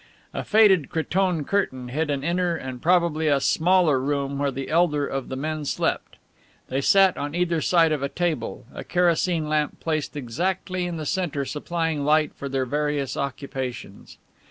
A faded cretonne curtain hid an inner and probably a smaller room where the elder of the men slept. They sat on either side of a table, a kerosene lamp placed exactly in the centre supplying light for their various occupations.